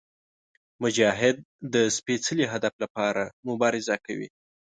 مجاهد د سپېڅلي هدف لپاره مبارزه کوي.